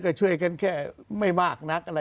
ก็ช่วยกันแค่ไม่มากนักอะไร